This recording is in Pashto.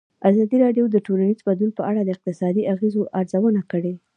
ازادي راډیو د ټولنیز بدلون په اړه د اقتصادي اغېزو ارزونه کړې.